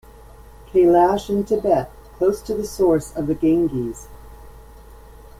Kailash in Tibet, close to the source of the Ganges.